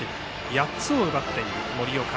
８つを奪っている森岡。